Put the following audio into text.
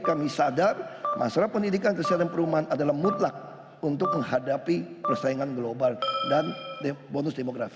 kami sadar masalah pendidikan kesehatan perumahan adalah mutlak untuk menghadapi persaingan global dan bonus demografi